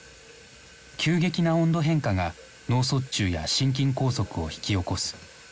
急激な温度変化が脳卒中や心筋梗塞を引き起こす。